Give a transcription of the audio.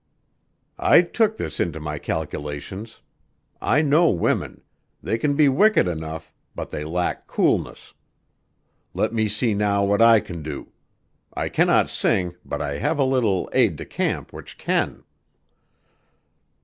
"I took this into my calculations. I know women; they can be wicked enough, but they lack coolness. Let me see now what I can do. I cannot sing, but I have a little aide de camp which can."